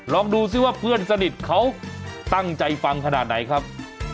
ลองดูซิว่าเพื่อนสนิทเขาตั้งใจฟังขนาดไหนครับ